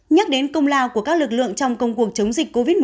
nhắc đến công lao của các lực lượng trong công cuộc chống dịch covid một mươi